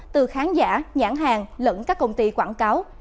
từ khán giả nhãn hàng lẫn các công ty quảng cáo